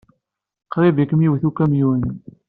Qrib ay kem-iwit ukamyun.